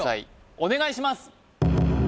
お願いします